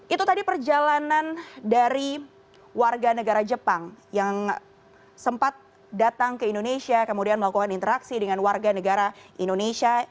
itu tadi perjalanan dari warga negara jepang yang sempat datang ke indonesia kemudian melakukan interaksi dengan warga negara indonesia